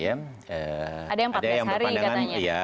ada yang empat belas hari katanya